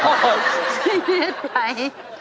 เย็นไป